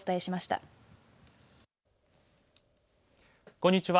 こんにちは。